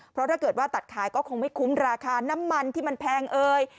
เพราะถ้าเกิดว่าตัดขายก็คงไม่คุ้มราคาน้ำมันที่มันแพงเอ่ย